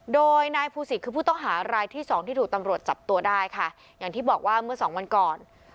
โดยนายภูศิษย์คือผู้ต้องหารายที่สองที่ถูกตำรวจจับตัวได้ค่ะอย่างที่บอกว่าเมื่อสองวันก่อน